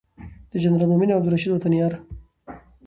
د جنرال مؤمن او عبدالرشید وطن یار